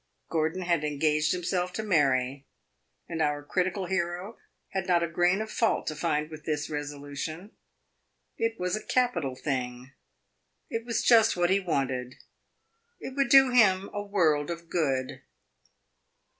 Gordon had engaged himself to marry, and our critical hero had not a grain of fault to find with this resolution. It was a capital thing; it was just what he wanted; it would do him a world of good.